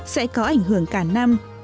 sẽ có ảnh hưởng cả năm